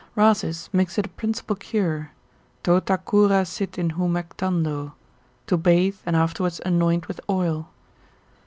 Rhasis makes it a principal cure, Tota cura sit in humectando, to bathe and afterwards anoint with oil.